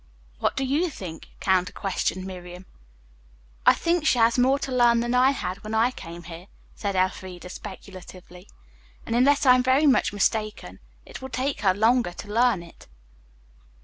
"What do you think?" counter questioned Miriam. "I think she has more to learn than I had when I came here," said Elfreda speculatively, "and unless I am very much mistaken it will take her longer to learn it."